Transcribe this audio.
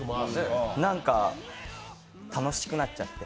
なんか楽しくなっちゃって。